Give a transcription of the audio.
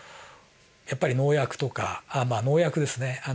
やっぱり農薬とかまあ農薬ですね。